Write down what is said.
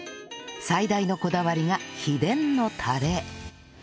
最大のこだわりが秘伝のタレ